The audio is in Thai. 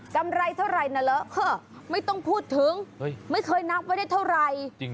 ำไรเท่าไหร่นะเหรอไม่ต้องพูดถึงไม่เคยนับไว้ได้เท่าไหร่